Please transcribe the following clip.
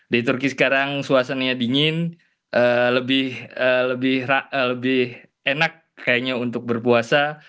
di turki sekarang suasananya dingin lebih enak kayaknya untuk berpuasa